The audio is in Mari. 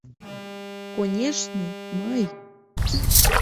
«Конешне, мый!